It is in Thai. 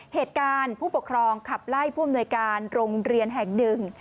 เหตุการณ์ผู้ปกครองขับไล่ผู้อำนวยการโรงเรียนแห่งหนึ่ง